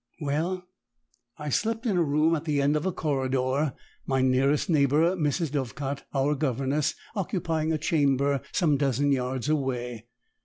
Well, I slept in a room at the end of a corridor, my nearest neighbour, Miss Dovecot our governess, occupying a chamber some dozen yards away.